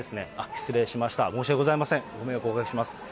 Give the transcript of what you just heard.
失礼しました、申し訳ございません、ご迷惑をおかけします。